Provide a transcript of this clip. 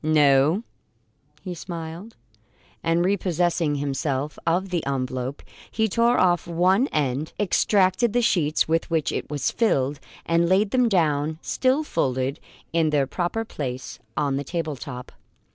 "No?" he smiled; and, repossessing himself of the envelope, he tore off one end, extracted the sheets with which it was filled, and laid them down still unfolded, in their former place on the table top.